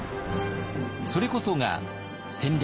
それこそが戦略